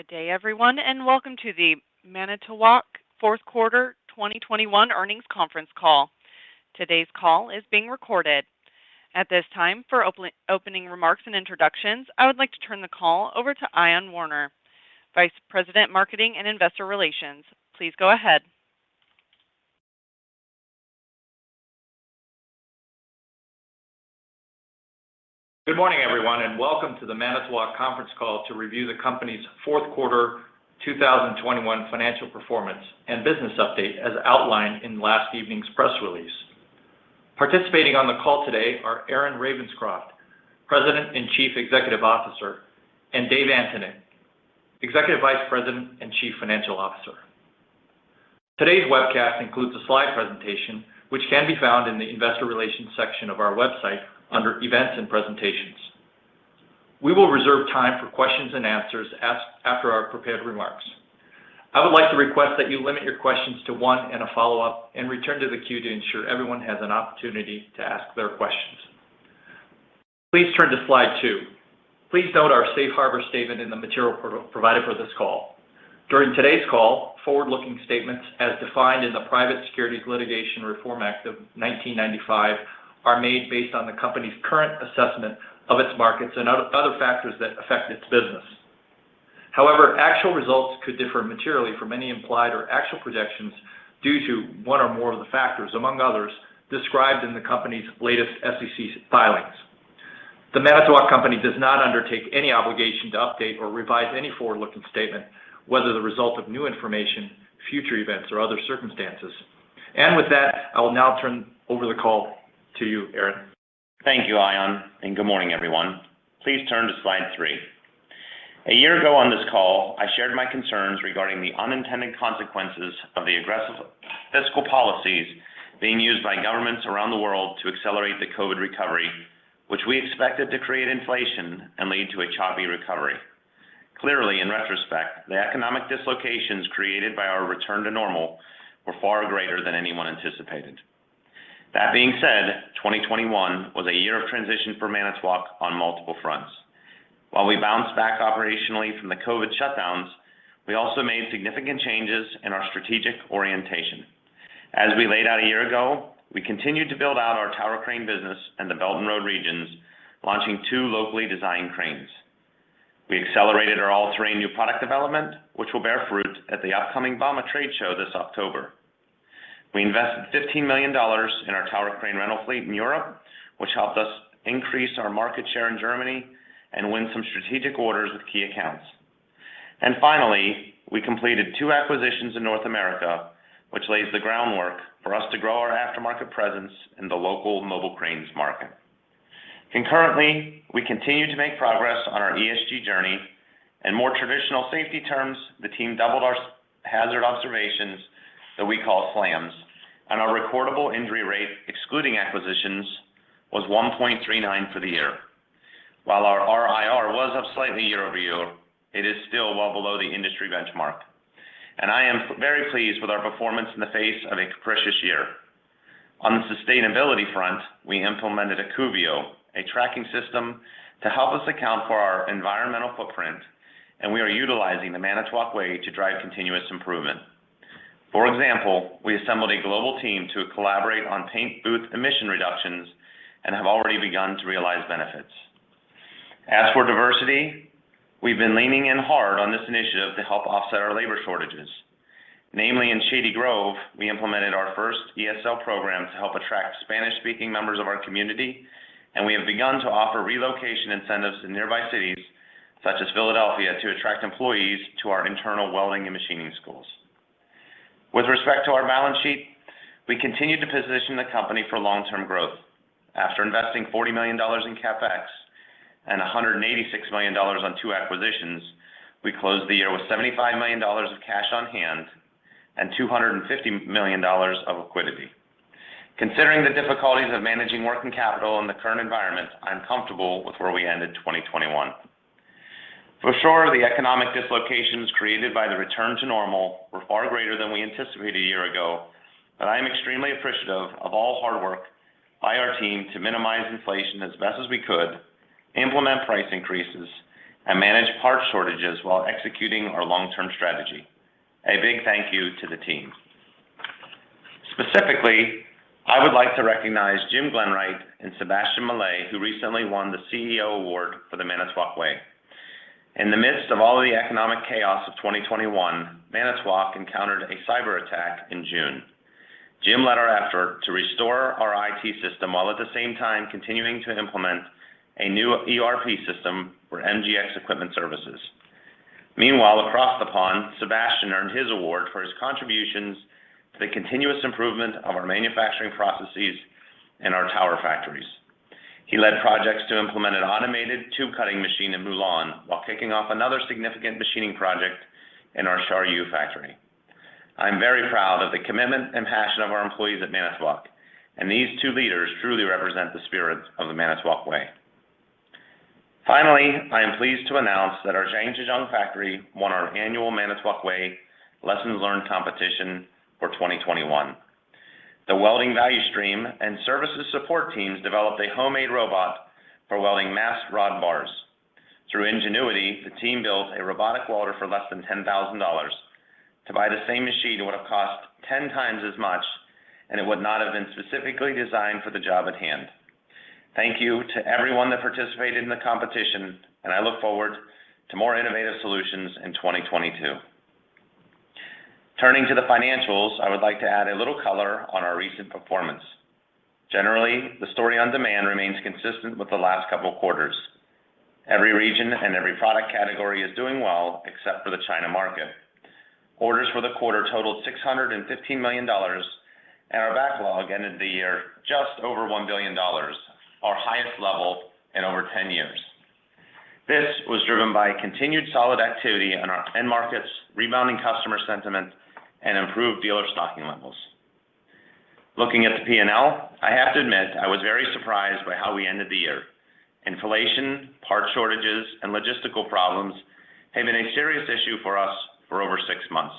Good day everyone, and welcome to the Manitowoc Fourth Quarter 2021 Earnings Conference Call. Today's call is being recorded. At this time, for opening remarks and introductions, I would like to turn the call over to Ion Warner, Vice President, Marketing and Investor Relations. Please go ahead. Good morning, everyone, and welcome to the Manitowoc conference call to review the company's fourth quarter 2021 financial performance and business update, as outlined in last evening's press release. Participating on the call today are Aaron Ravenscroft, President and Chief Executive Officer, and Dave Antoniuk, Executive Vice President and Chief Financial Officer. Today's webcast includes a slide presentation which can be found in the Investor Relations section of our website under Events and Presentations. We will reserve time for questions and answers after our prepared remarks. I would like to request that you limit your questions to one and a follow-up, and return to the queue to ensure everyone has an opportunity to ask their questions. Please turn to slide two. Please note our safe harbor statement in the material provided for this call. During today's call, forward-looking statements as defined in the Private Securities Litigation Reform Act of 1995 are made based on the company's current assessment of its markets and other factors that affect its business. However, actual results could differ materially from any implied or actual projections due to one or more of the factors, among others, described in the company's latest SEC filings. The Manitowoc Company does not undertake any obligation to update or revise any forward-looking statement, whether the result of new information, future events or other circumstances. With that, I will now turn over the call to you, Aaron. Thank you, Ion, and good morning, everyone. Please turn to slide three. A year ago on this call, I shared my concerns regarding the unintended consequences of the aggressive fiscal policies being used by governments around the world to accelerate the COVID recovery, which we expected to create inflation and lead to a choppy recovery. Clearly, in retrospect, the economic dislocations created by our return to normal were far greater than anyone anticipated. That being said, 2021 was a year of transition for Manitowoc on multiple fronts. While we bounced back operationally from the COVID shutdowns, we also made significant changes in our strategic orientation. As we laid out a year ago, we continued to build out our tower crane business in the Belt and Road regions, launching two locally designed cranes. We accelerated our all-terrain new product development, which will bear fruit at the upcoming bauma trade show this October. We invested $15 million in our tower crane rental fleet in Europe, which helped us increase our market share in Germany and win some strategic orders with key accounts. Finally, we completed two acquisitions in North America, which lays the groundwork for us to grow our aftermarket presence in the local mobile cranes market. Concurrently, we continue to make progress on our ESG journey. In more traditional safety terms, the team doubled our hazard observations that we call SLAMs, and our recordable injury rate, excluding acquisitions, was 1.39 for the year. While our RIR was up slightly year-over-year, it is still well below the industry benchmark, and I am very pleased with our performance in the face of a capricious year. On the sustainability front, we implementedAccuvio, a tracking system to help us account for our environmental footprint, and we are utilizing the Manitowoc Way to drive continuous improvement. For example, we assembled a global team to collaborate on paint booth emission reductions and have already begun to realize benefits. As for diversity, we've been leaning in hard on this initiative to help offset our labor shortages. Namely, in Shady Grove, we implemented our first ESL program to help attract Spanish-speaking members of our community, and we have begun to offer relocation incentives to nearby cities, such as Philadelphia, to attract employees to our internal welding and machining schools. With respect to our balance sheet, we continued to position the company for long-term growth. After investing $40 million in CapEx and $186 million on two acquisitions, we closed the year with $75 million of cash on hand and $250 million of liquidity. Considering the difficulties of managing working capital in the current environment, I'm comfortable with where we ended 2021. For sure, the economic dislocations created by the return to normal were far greater than we anticipated a year ago, but I am extremely appreciative of all hard work by our team to minimize inflation as best as we could, implement price increases, and manage part shortages while executing our long-term strategy. A big thank you to the team. Specifically, I would like to recognize Jim Glenwright and Sébastien Mallet, who recently won the CEO Award for The Manitowoc Way. In the midst of all the economic chaos of 2021, Manitowoc encountered a cyberattack in June. Jim led our effort to restore our IT system, while at the same time continuing to implement a new ERP system for MGX Equipment Services. Meanwhile, across the pond, Sebastien earned his award for his contributions to the continuous improvement of our manufacturing processes in our tower factories. He led projects to implement an automated tube cutting machine in Moulins, while kicking off another significant machining project in our Charlieu factory. I'm very proud of the commitment and passion of our employees at Manitowoc, and these two leaders truly represent the spirit of the Manitowoc Way. Finally, I am pleased to announce that our Zhangjiagang factory won our annual Manitowoc Way Lessons Learned Competition for 2021. The welding value stream and services support teams developed a homemade robot for welding mass rod bars. Through ingenuity, the team built a robotic welder for less than $10,000. To buy the same machine, it would have cost 10x as much, and it would not have been specifically designed for the job at hand. Thank you to everyone that participated in the competition, and I look forward to more innovative solutions in 2022. Turning to the financials, I would like to add a little color on our recent performance. Generally, the story on demand remains consistent with the last couple of quarters. Every region and every product category is doing well except for the China market. Orders for the quarter totaled $615 million, and our backlog ended the year just over $1 billion, our highest level in over 10 years. This was driven by continued solid activity on our end markets, rebounding customer sentiment, and improved dealer stocking levels. Looking at the P&L, I have to admit I was very surprised by how we ended the year. Inflation, part shortages, and logistical problems have been a serious issue for us for over six months.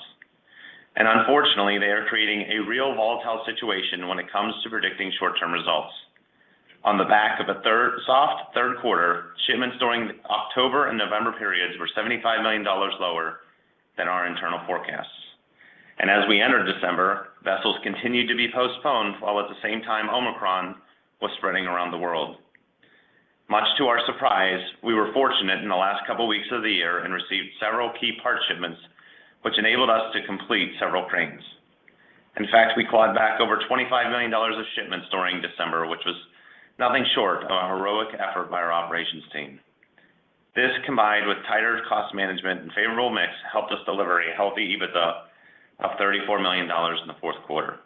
Unfortunately, they are creating a real volatile situation when it comes to predicting short-term results. On the back of a soft third quarter, shipments during October and November periods were $75 million lower than our internal forecasts. As we entered December, vessels continued to be postponed, while at the same time Omicron was spreading around the world. Much to our surprise, we were fortunate in the last couple weeks of the year and received several key part shipments, which enabled us to complete several cranes. In fact, we clawed back over $25 million of shipments during December, which was nothing short of a heroic effort by our operations team. This, combined with tighter cost management and favorable mix, helped us deliver a healthy EBITDA of $34 million in the fourth quarter.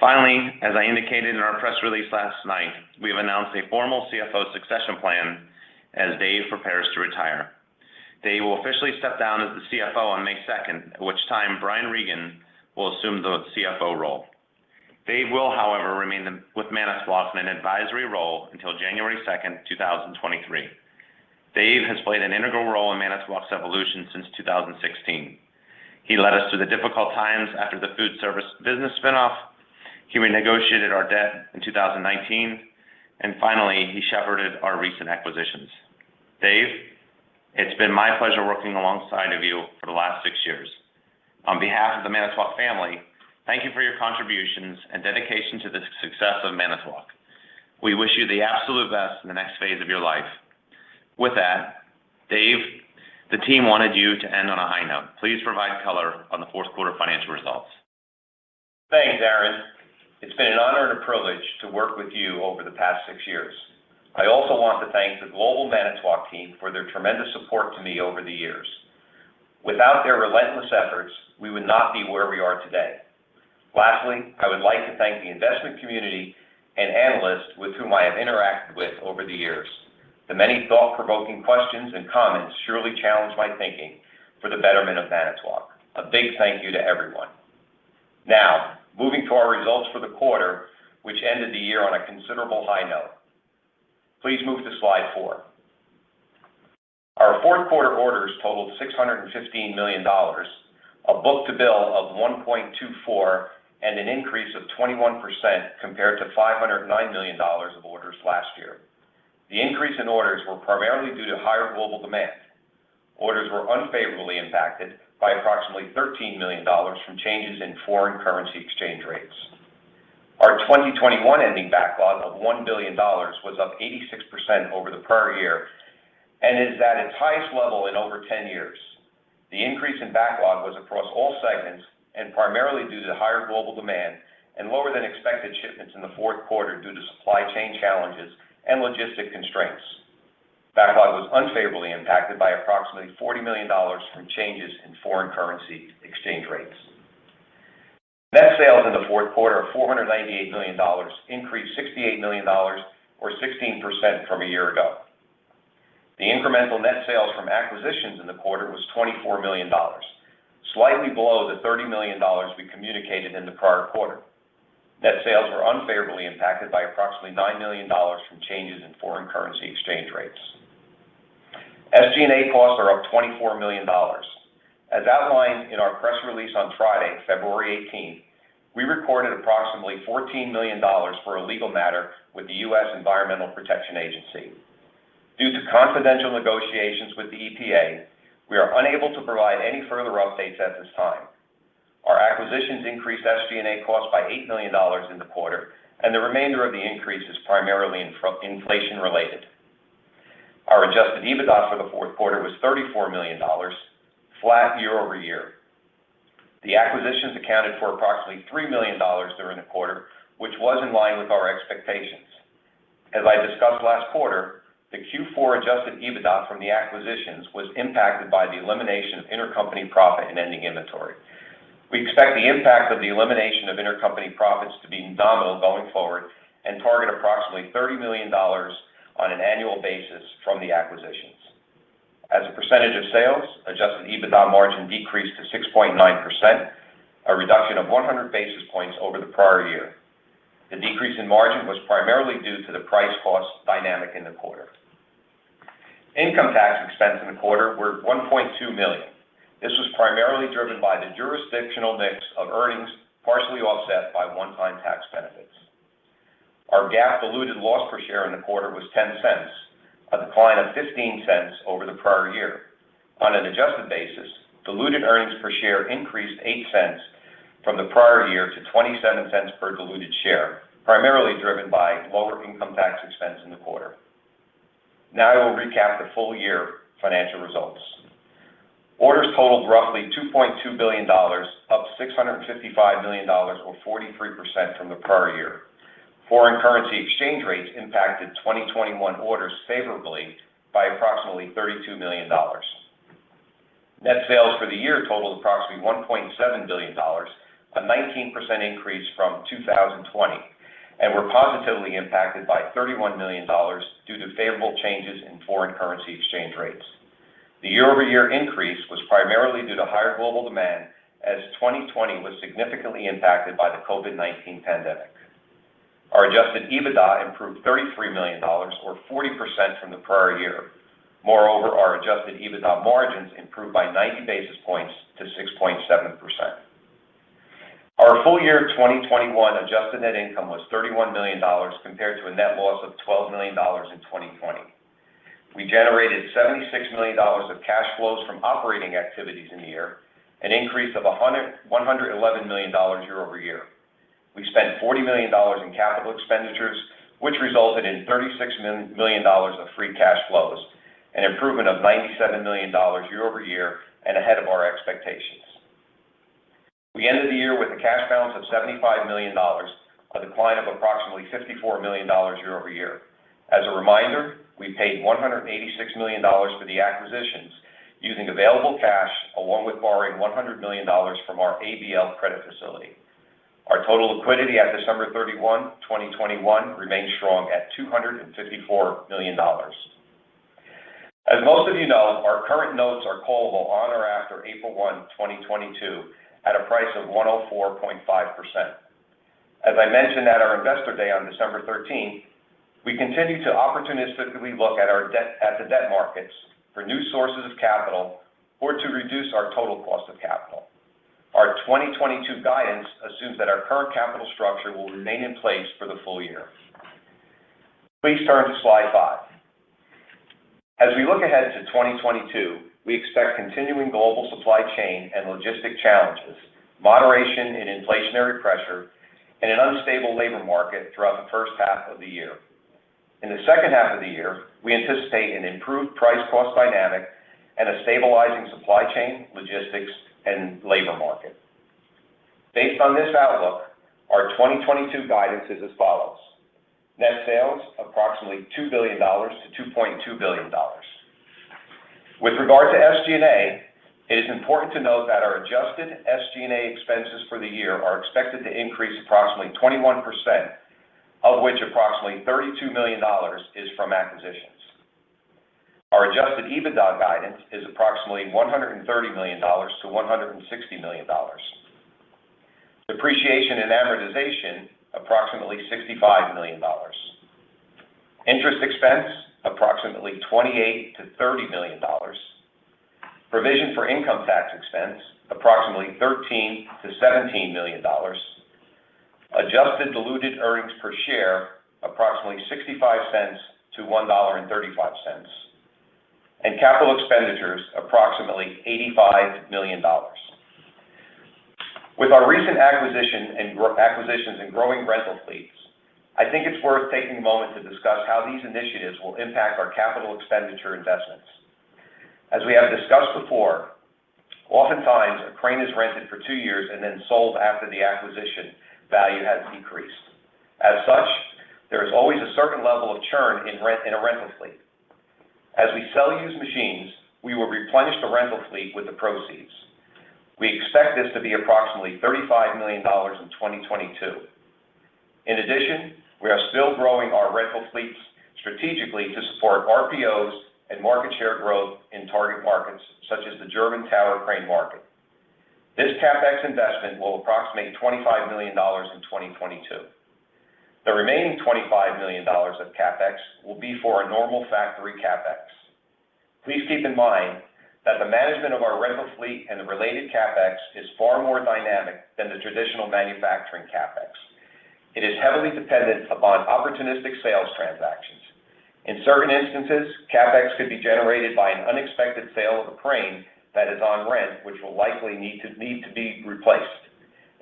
Finally, as I indicated in our press release last night, we have announced a formal CFO succession plan as Dave prepares to retire. Dave will officially step down as the CFO on May 2nd, at which time Brian Regan will assume the CFO role. Dave will, however, remain with Manitowoc in an advisory role until January 2nd, 2023. Dave has played an integral role in Manitowoc's evolution since 2016. He led us through the difficult times after the food service business spinoff. He renegotiated our debt in 2019, and finally, he shepherded our recent acquisitions. Dave, it's been my pleasure working alongside of you for the last six years. On behalf of the Manitowoc family, thank you for your contributions and dedication to the success of Manitowoc. We wish you the absolute best in the next phase of your life. With that, Dave, the team wanted you to end on a high note. Please provide color on the fourth quarter financial results. Thanks, Aaron. It's been an honor and a privilege to work with you over the past six years. I also want to thank the global Manitowoc team for their tremendous support to me over the years. Without their relentless efforts, we would not be where we are today. Lastly, I would like to thank the investment community and analysts with whom I have interacted with over the years. The many thought-provoking questions and comments surely challenged my thinking for the betterment of Manitowoc. A big thank you to everyone. Now, moving to our results for the quarter, which ended the year on a considerable high note. Please move to slide four. Our fourth quarter orders totaled $615 million, a book-to-bill of 1.24, and an increase of 21% compared to $509 million of orders last year. The increase in orders were primarily due to higher global demand. Orders were unfavorably impacted by approximately $13 million from changes in foreign currency exchange rates. Our 2021 ending backlog of $1 billion was up 86% over the prior year and is at its highest level in over 10 years. The increase in backlog was across all segments and primarily due to higher global demand and lower than expected shipments in the fourth quarter due to supply chain challenges and logistic constraints. Backlog was unfavorably impacted by approximately $40 million from changes in foreign currency exchange rates. Net sales in the fourth quarter of $498 million increased $68 million or 16% from a year ago. The incremental net sales from acquisitions in the quarter was $24 million, slightly below the $30 million we communicated in the prior quarter. Net sales were unfavorably impacted by approximately $9 million from changes in foreign currency exchange rates. SG&A costs are up $24 million. As outlined in our press release on Friday, February 18, we recorded approximately $14 million for a legal matter with the U.S. Environmental Protection Agency. Due to confidential negotiations with the EPA, we are unable to provide any further updates at this time. Our acquisitions increased SG&A costs by $8 million in the quarter, and the remainder of the increase is primarily inflation-related. Our adjusted EBITDA for the fourth quarter was $34 million, flat year-over-year. The acquisitions accounted for approximately $3 million during the quarter, which was in line with our expectations. As I discussed last quarter, the Q4 adjusted EBITDA from the acquisitions was impacted by the elimination of intercompany profit and ending inventory. We expect the impact of the elimination of intercompany profits to be nominal going forward and target approximately $30 million on an annual basis from the acquisitions. As a percentage of sales, adjusted EBITDA margin decreased to 6.9%, a reduction of 100 basis points over the prior year. The decrease in margin was primarily due to the price-cost dynamic in the quarter. Income tax expense in the quarter were $1.2 million. This was primarily driven by the jurisdictional mix of earnings, partially offset by one-time tax benefits. Our GAAP diluted loss per share in the quarter was $0.10, a decline of $0.15 over the prior year. On an adjusted basis, diluted earnings per share increased $0.08 from the prior year to $0.27 per diluted share, primarily driven by lower income tax expense in the quarter. Now I will recap the full-year financial results. Orders totaled roughly $2.2 billion, up $655 million or 43% from the prior year. Foreign currency exchange rates impacted 2021 orders favorably by approximately $32 million. Net sales for the year totaled approximately $1.7 billion, a 19% increase from 2020, and were positively impacted by $31 million due to favorable changes in foreign currency exchange rates. The year-over-year increase was primarily due to higher global demand as 2020 was significantly impacted by the COVID-19 pandemic. Our adjusted EBITDA improved $33 million or 40% from the prior year. Moreover, our adjusted EBITDA margins improved by 90 basis points to 6.7%. Our full-year 2021 adjusted net income was $31 million compared to a net loss of $12 million in 2020. We generated $76 million of cash flows from operating activities in the year, an increase of $111 million year-over-year. We spent $40 million in capital expenditures, which resulted in $36 million of free cash flows, an improvement of $97 million year-over-year and ahead of our expectations. We ended the year with a cash balance of $75 million, a decline of approximately $54 million year-over-year. As a reminder, we paid $186 million for the acquisitions using available cash along with borrowing $100 million from our ABL credit facility. Our total liquidity at December 31, 2021 remains strong at $254 million. As most of you know, our current notes are callable on or after April 1, 2022, at a price of 104.5%. As I mentioned at our Investor Day on December 13, we continue to opportunistically look at our debt at the debt markets for new sources of capital or to reduce our total cost of capital. Our 2022 guidance assumes that our current capital structure will remain in place for the full year. Please turn to slide five. As we look ahead to 2022, we expect continuing global supply chain and logistics challenges, moderation in inflationary pressure, and an unstable labor market throughout the first half of the year. In the second half of the year, we anticipate an improved price-cost dynamic and a stabilizing supply chain, logistics, and labor market. Based on this outlook, our 2022 guidance is as follows. Net sales approximately $2 billion-$2.2 billion. With regard to SG&A, it is important to note that our adjusted SG&A expenses for the year are expected to increase approximately 21%, of which approximately $32 million is from acquisitions. Our adjusted EBITDA guidance is approximately $130 million-$160 million. Depreciation and amortization, approximately $65 million. Interest expense, approximately $28 million-$30 million. Provision for income tax expense, approximately $13 million-$17 million. Adjusted diluted earnings per share, approximately $0.65-$1.35. Capital expenditures, approximately $85 million. With our recent acquisitions and growing rental fleets, I think it's worth taking a moment to discuss how these initiatives will impact our capital expenditure investments. As we have discussed before, oftentimes, a crane is rented for two years and then sold after the acquisition value has decreased. As such, there is always a certain level of churn in a rental fleet. As we sell used machines, we will replenish the rental fleet with the proceeds. We expect this to be approximately $35 million in 2022. In addition, we are still growing our rental fleets strategically to support RPOs and market share growth in target markets such as the German tower crane market. This CapEx investment will approximate $25 million in 2022. The remaining $25 million of CapEx will be for a normal factory CapEx. Please keep in mind that the management of our rental fleet and the related CapEx is far more dynamic than the traditional manufacturing CapEx. It is heavily dependent upon opportunistic sales transactions. In certain instances, CapEx could be generated by an unexpected sale of a crane that is on rent, which will likely need to be replaced.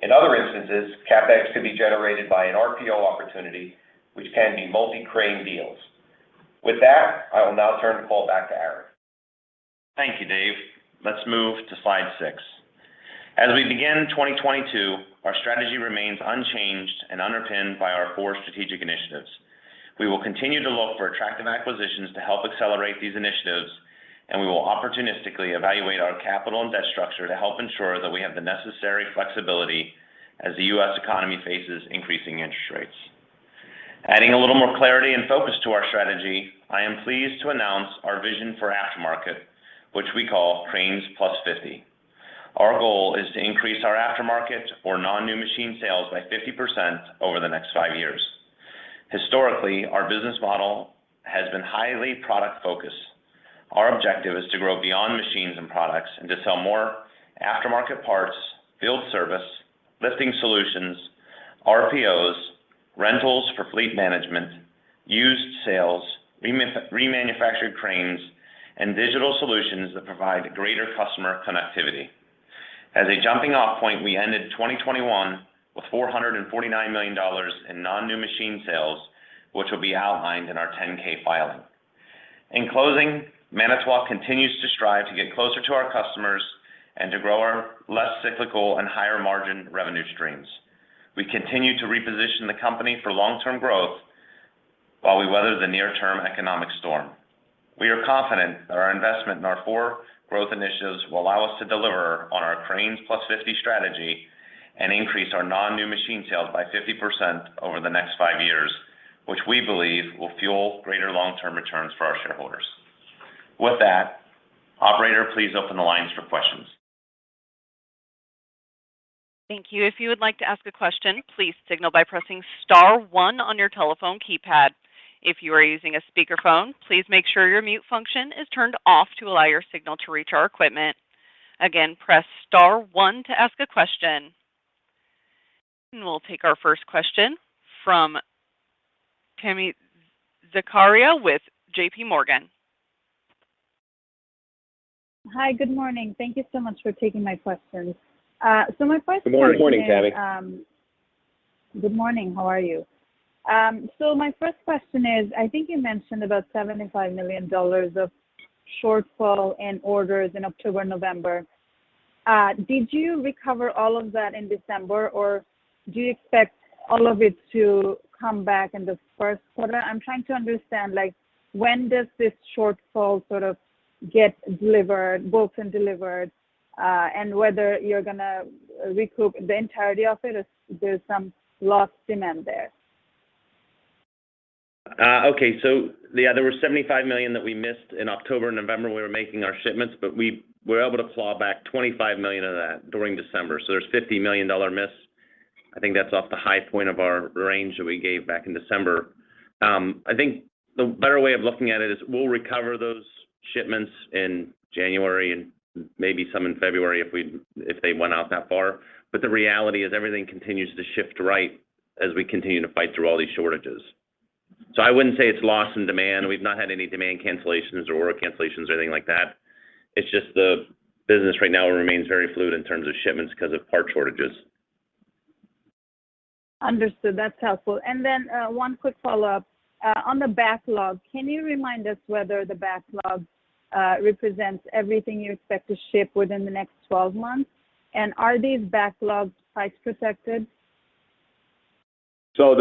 In other instances, CapEx could be generated by an RPO opportunity, which can be multi-crane deals. With that, I will now turn the call back to Aaron. Thank you, Dave. Let's move to slide six. As we begin 2022, our strategy remains unchanged and underpinned by our four strategic initiatives. We will continue to look for attractive acquisitions to help accelerate these initiatives, and we will opportunistically evaluate our capital and debt structure to help ensure that we have the necessary flexibility as the U.S. economy faces increasing interest rates. Adding a little more clarity and focus to our strategy, I am pleased to announce our vision for aftermarket, which we call CRANES+50. Our goal is to increase our aftermarket or non-new machine sales by 50% over the next five years. Historically, our business model has been highly product-focused. Our objective is to grow beyond machines and products and to sell more aftermarket parts, field service, lifting solutions, RPOs, rentals for fleet management, used sales, reman-remanufactured cranes, and digital solutions that provide greater customer connectivity. As a jumping-off point, we ended 2021 with $449 million in non-new machine sales, which will be outlined in our 10-K filing. In closing, Manitowoc continues to strive to get closer to our customers and to grow our less cyclical and higher margin revenue streams. We continue to reposition the company for long-term growth while we weather the near-term economic storm. We are confident that our investment in our four growth initiatives will allow us to deliver on our CRANES+50 strategy and increase our non-new machine sales by 50% over the next five years, which we believe will fuel greater long-term returns for our shareholders. With that, operator, please open the lines for questions. Thank you. If you would like to ask a question, please signal by pressing star one on your telephone keypad. If you are using a speakerphone, please make sure your mute function is turned off to allow your signal to reach our equipment. Again, press star one to ask a question. We'll take our first question from Tami Zakaria with JPMorgan. Hi. Good morning. Thank you so much for taking my questions. My first question is Good morning, Tami. Good morning. How are you? My first question is, I think you mentioned about $75 million of shortfall in orders in October, November. Did you recover all of that in December, or do you expect all of it to come back in the first quarter? I'm trying to understand, like, when does this shortfall sort of get delivered, booked and delivered, and whether you're gonna recoup the entirety of it if there's some lost demand there. Okay. Yeah, there were $75 million that we missed in October, November when we were making our shipments, but we were able to claw back $25 million of that during December, so there's $50 million dollar miss. I think that's off the high point of our range that we gave back in December. I think the better way of looking at it is we'll recover those shipments in January and maybe some in February if they went out that far. The reality is everything continues to shift right as we continue to fight through all these shortages. I wouldn't say it's lost in demand. We've not had any demand cancellations or order cancellations or anything like that. It's just the business right now remains very fluid in terms of shipments 'cause of part shortages. Understood. That's helpful. One quick follow-up. On the backlog, can you remind us whether the backlog represents everything you expect to ship within the next 12 months? Are these backlogs price-protected? You know,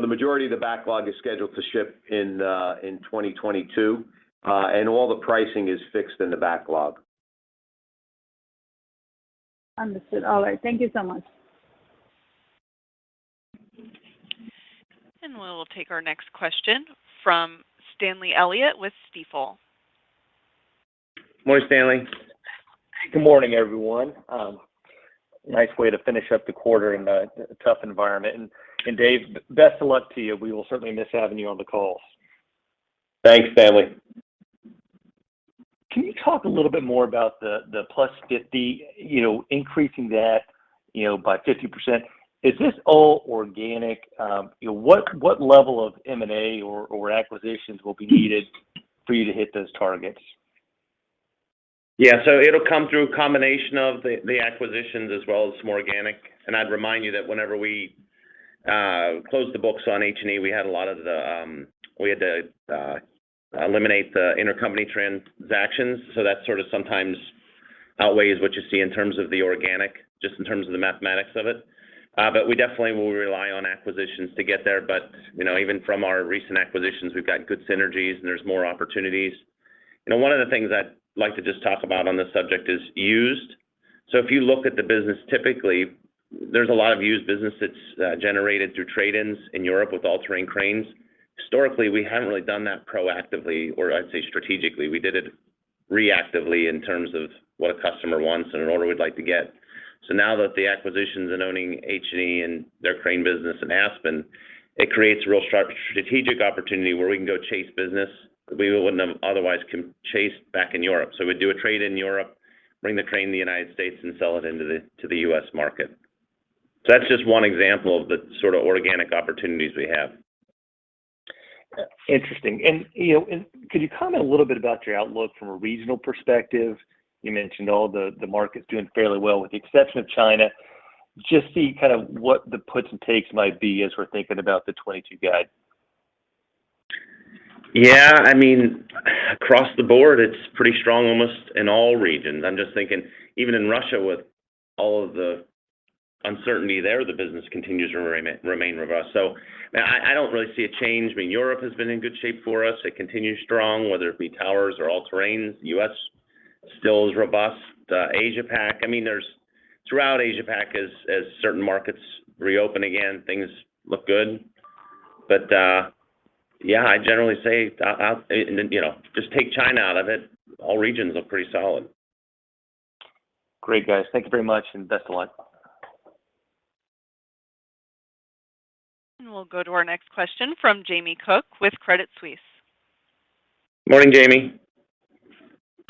the majority of the backlog is scheduled to ship in 2022. All the pricing is fixed in the backlog. Understood. All right. Thank you so much. We'll take our next question from Stanley Elliott with Stifel. Morning, Stanley. Good morning, everyone. Nice way to finish up the quarter in a tough environment. Dave, best of luck to you. We will certainly miss having you on the calls. Thanks, Stanley. Can you talk a little bit more about the CRANE+50, you know, increasing that, you know, by 50%? Is this all organic? You know, what level of M&A or acquisitions will be needed for you to hit those targets? Yeah. It'll come through a combination of the acquisitions as well as some organic. I'd remind you that whenever we closed the books on H&E, we had to eliminate the intercompany transactions, so that sort of sometimes outweighs what you see in terms of the organic, just in terms of the mathematics of it. We definitely will rely on acquisitions to get there. You know, even from our recent acquisitions, we've got good synergies, and there's more opportunities. You know, one of the things I'd like to just talk about on this subject is used. If you look at the business typically, there's a lot of used business that's generated through trade-ins in Europe with all-terrain cranes. Historically, we haven't really done that proactively or I'd say strategically. We did it reactively in terms of what a customer wants and an order we'd like to get. Now that the acquisitions and owning H&E and their crane business and Aspen, it creates a real strategic opportunity where we can go chase business we wouldn't have otherwise can chase back in Europe. We do a trade in Europe, bring the crane to the United States and sell it to the U.S. market. That's just one example of the sort of organic opportunities we have. Interesting. You know, could you comment a little bit about your outlook from a regional perspective? You mentioned all the markets doing fairly well with the exception of China. Just see kind of what the puts and takes might be as we're thinking about the 2022 guide. Yeah. I mean, across the board, it's pretty strong almost in all regions. I'm just thinking even in Russia with all of the uncertainty there, the business continues to remain robust. I don't really see a change. I mean, Europe has been in good shape for us. It continues strong, whether it be towers or all-terrain. U.S. still is robust. Asia Pac, I mean, throughout Asia Pac as certain markets reopen again, things look good. Yeah, I generally say, and then, you know, just take China out of it, all regions look pretty solid. Great, guys. Thank you very much, and best of luck. We'll go to our next question from Jamie Cook with Credit Suisse. Morning, Jamie.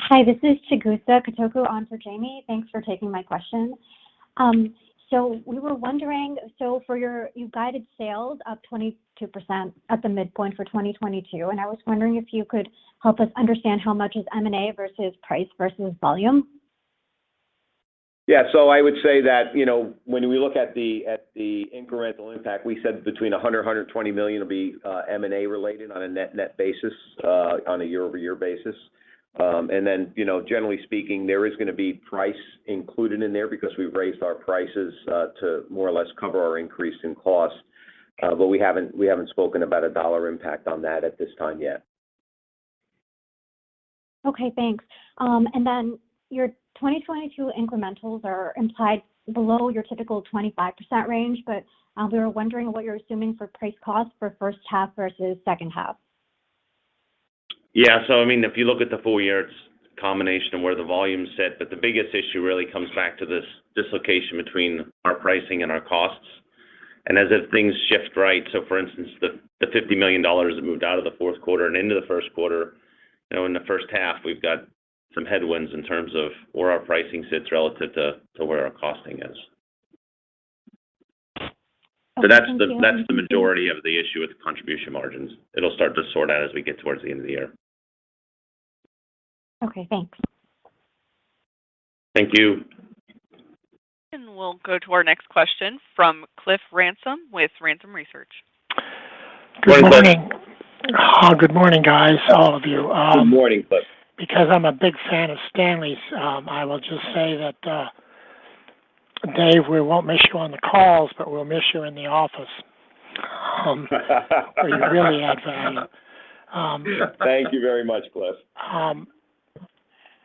Hi. This is Chigusa Katoku on for Jamie. Thanks for taking my question. We were wondering, you guided sales up 22% at the midpoint for 2022, and I was wondering if you could help us understand how much is M&A versus price versus volume. I would say that, you know, when we look at the incremental impact, we said between $100 million-$120 million will be M&A related on a net-net basis on a year-over-year basis. You know, generally speaking, there is gonna be price included in there because we've raised our prices to more or less cover our increase in cost. We haven't spoken about a dollar impact on that at this time yet. Okay, thanks. Your 2022 incrementals are implied below your typical 25% range, but we were wondering what you're assuming for price cost for first half versus second half. Yeah. I mean, if you look at the full year, it's a combination of where the volume's set, but the biggest issue really comes back to this dislocation between our pricing and our costs. As if things shift, right, so for instance, the $50 million that moved out of the fourth quarter and into the first quarter, you know, in the first half we've got some headwinds in terms of where our pricing sits relative to where our costing is. Okay. Thank you. That's the majority of the issue with the contribution margins. It'll start to sort out as we get towards the end of the year. Okay, thanks. Thank you. We'll go to our next question from Cliff Ransom with Ransom Research. Morning, Cliff. Good morning. Oh, good morning, guys, all of you. Good morning, Cliff. Because I'm a big fan of Stanley's, I will just say that, Dave, we won't miss you on the calls, but we'll miss you in the office. You really add value. Thank you very much, Cliff.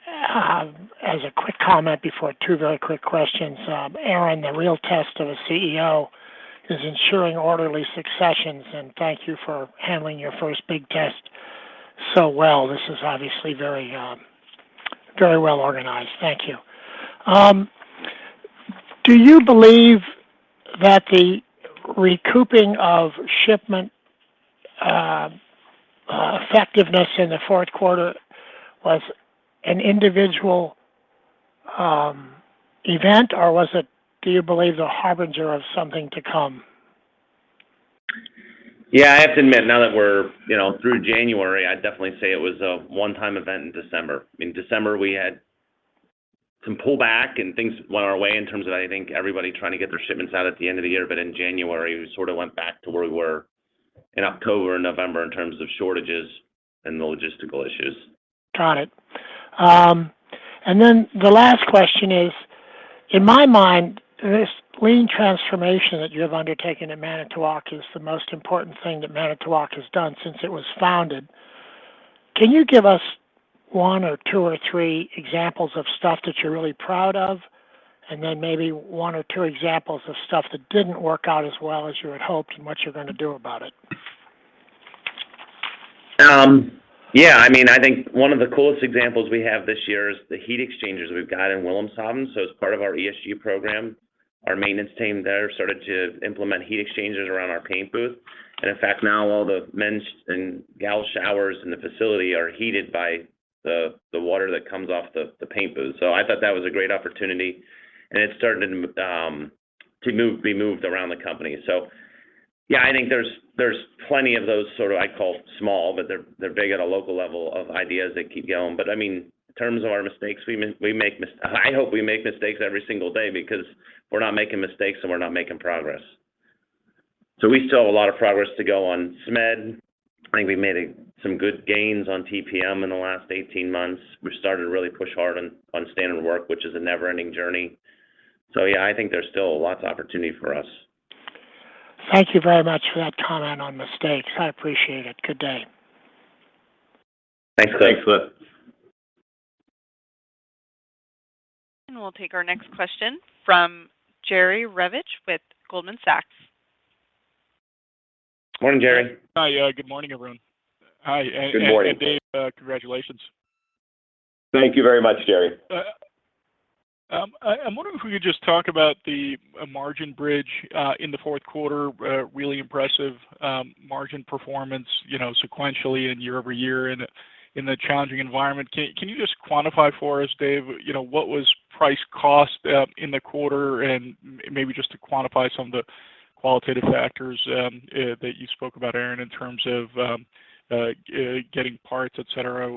As a quick comment before two very quick questions. Aaron, the real test of a CEO is ensuring orderly successions, and thank you for handling your first big test so well. This is obviously very, very well organized. Thank you. Do you believe that the recouping of shipment effectiveness in the fourth quarter was an individual event, or was it the harbinger of something to come? Yeah. I have to admit now that we're, you know, through January, I'd definitely say it was a one-time event in December. In December, we had some pullback and things went our way in terms of, I think, everybody trying to get their shipments out at the end of the year. In January, we sort of went back to where we were in October and November in terms of shortages and the logistical issues. Got it. The last question is, in my mind, this lean transformation that you have undertaken at Manitowoc is the most important thing that Manitowoc has done since it was founded. Can you give us one or two or three examples of stuff that you're really proud of? Maybe one or two examples of stuff that didn't work out as well as you had hoped and what you're gonna do about it? Yeah. I mean, I think one of the coolest examples we have this year is the heat exchangers we've got in Wilhelmshaven. As part of our ESG program, our maintenance team there started to implement heat exchangers around our paint booth. In fact, now all the men's and gals' showers in the facility are heated by the water that comes off the paint booth. I thought that was a great opportunity, and it started to be moved around the company. Yeah, I think there's plenty of those sort of, I call small, but they're big at a local level of ideas that keep going. But I mean, in terms of our mistakes, I hope we make mistakes every single day because we're not making mistakes, and we're not making progress. We still have a lot of progress to go on SMED. I think we've made some good gains on TPM in the last 18 months. We've started to really push hard on standard work, which is a never-ending journey. Yeah, I think there's still lots of opportunity for us. Thank you very much for that comment on mistakes. I appreciate it. Good day. Thanks. Thanks, Cliff. We'll take our next question from Jerry Revich with Goldman Sachs. Morning, Jerry. Hi. Yeah. Good morning, everyone. Hi. Good morning. Dave, congratulations. Thank you very much, Jerry. I'm wondering if we could just talk about the margin bridge in the fourth quarter, really impressive margin performance, you know, sequentially and year-over-year in the challenging environment. Can you just quantify for us, Dave, you know, what was price cost in the quarter? And maybe just to quantify some of the qualitative factors that you spoke about, Aaron, in terms of getting parts, et cetera.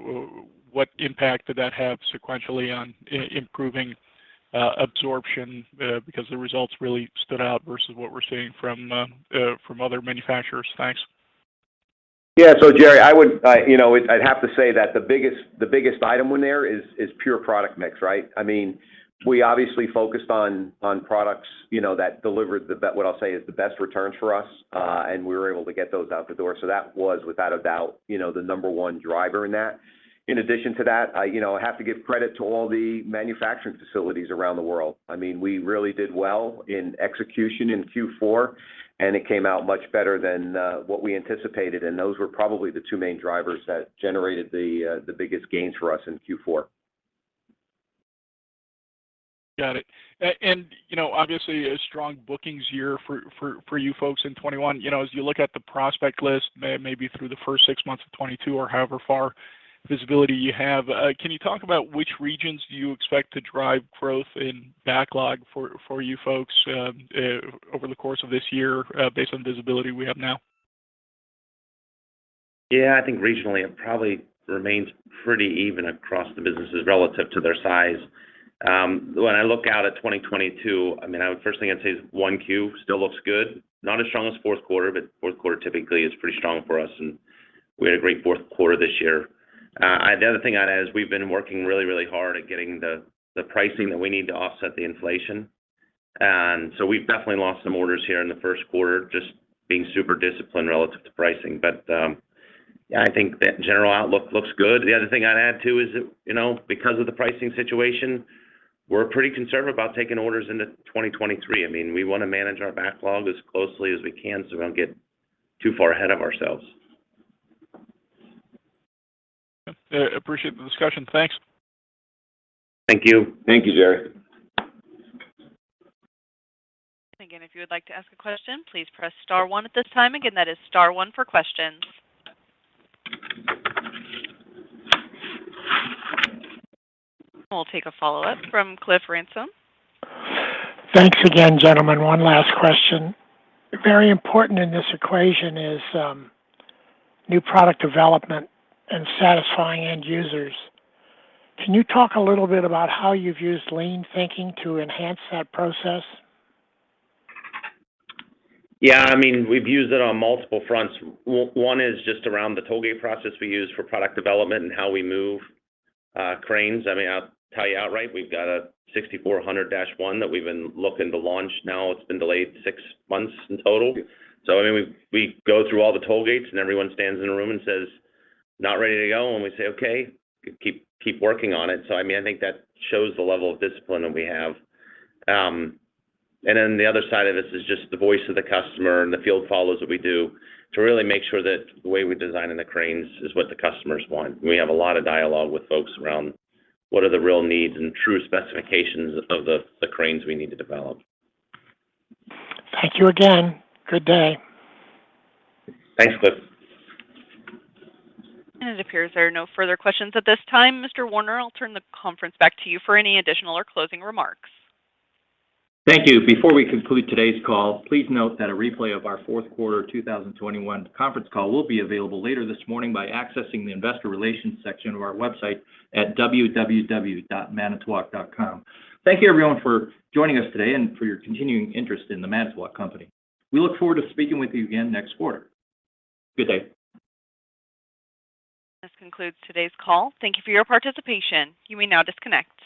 What impact did that have sequentially on improving absorption? Because the results really stood out versus what we're seeing from other manufacturers. Thanks. Jerry, I'd have to say that the biggest item in there is pure product mix, right? I mean, we obviously focused on products, you know, that delivered what I'll say is the best returns for us. We were able to get those out the door. That was without a doubt, you know, the number one driver in that. In addition to that, you know, I have to give credit to all the manufacturing facilities around the world. I mean, we really did well in execution in Q4, and it came out much better than what we anticipated. Those were probably the two main drivers that generated the biggest gains for us in Q4. Got it. You know, obviously a strong bookings year for you folks in 2021. You know, as you look at the prospect list maybe through the first six months of 2022 or however far visibility you have, can you talk about which regions do you expect to drive growth in backlog for you folks over the course of this year based on visibility we have now? Yeah. I think regionally it probably remains pretty even across the businesses relative to their size. When I look out at 2022, I mean, firstly I'd say Q1 still looks good. Not as strong as fourth quarter, but fourth quarter typically is pretty strong for us, and we had a great fourth quarter this year. The other thing I'd add is we've been working really, really hard at getting the pricing that we need to offset the inflation. And so we've definitely lost some orders here in the first quarter, just being super disciplined relative to pricing. But, yeah, I think the general outlook looks good. The other thing I'd add too is that, you know, because of the pricing situation, we're pretty conservative about taking orders into 2023. I mean, we wanna manage our backlog as closely as we can so we don't get too far ahead of ourselves. Yeah. I appreciate the discussion. Thanks. Thank you. Thank you, Jerry. Again, if you would like to ask a question, please press star one at this time. Again, that is star one for questions. We'll take a follow-up from Cliff Ransom. Thanks again, gentlemen. One last question. Very important in this equation is new product development and satisfying end users. Can you talk a little bit about how you've used lean thinking to enhance that process? Yeah. I mean, we've used it on multiple fronts. One is just around the tollgate process we use for product development and how we move cranes. I mean, I'll tell you outright, we've got a GMK6400-1 that we've been looking to launch now. It's been delayed six months in total. I mean, we go through all the tollgates and everyone stands in a room and says, "Not ready to go." We say, "Okay. Keep working on it." I mean, I think that shows the level of discipline that we have. The other side of this is just the voice of the customer and the field follow-ups that we do to really make sure that the way we're designing the cranes is what the customers want. We have a lot of dialogue with folks around what are the real needs and true specifications of the cranes we need to develop. Thank you again. Good day. Thanks, Cliff. It appears there are no further questions at this time. Mr. Warner, I'll turn the conference back to you for any additional or closing remarks. Thank you. Before we conclude today's call, please note that a replay of our fourth quarter 2021 conference call will be available later this morning by accessing the investor relations section of our website at www.manitowoc.com. Thank you everyone for joining us today and for your continuing interest in The Manitowoc Company. We look forward to speaking with you again next quarter. Good day. This concludes today's call. Thank you for your participation. You may now disconnect.